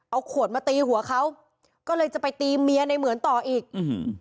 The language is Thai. เอาขวดมาตีหัวเขาก็เลยจะไปตีเมียในเหมือนต่ออีกอืม